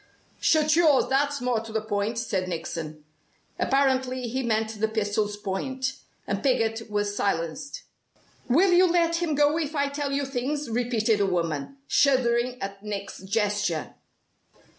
"Shut yours that's more to the point!" said Nickson. Apparently he meant the pistol's point. And Piggott was silenced. "Will you let him go if I tell you things?" repeated the woman, shuddering at Nick's gesture.